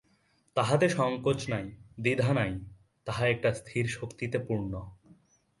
তাহাতে সংকোচ নাই, দ্বিধা নাই, তাহা একটা স্থির শক্তিতে পূর্ণ।